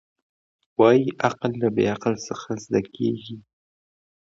وايي عقل له بې عقله څخه زده کېږي.